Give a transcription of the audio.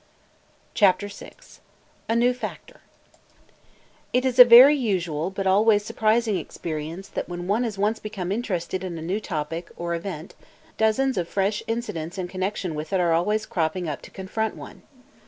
CHAPTER VI A NEW FACTOR IT is a very usual but always surprising experience that when one has once become interested in a new topic or event dozens of fresh incidents in connection with it are always cropping up to confront one.